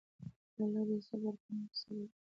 الله د صبر کوونکو سره دی.